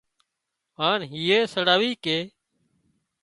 هانَ هيئي سڙاوي ڪي